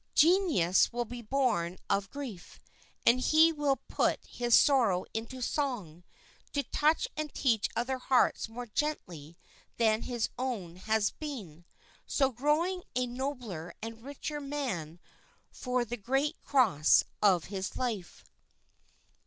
Genius will be born of grief, and he will put his sorrow into song to touch and teach other hearts more gently than his own has been, so growing a nobler and a richer man for the great cross of his life."